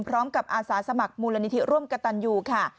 อาสาสมัครมูลนิธิร่วมกระตันยูค่ะ